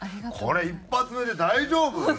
これ１発目で大丈夫？